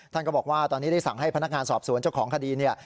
ก็บอกว่าตอนนี้ได้สั่งให้พนักงานสอบสวนเจ้าของคดีเนี่ย